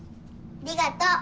ありがとう。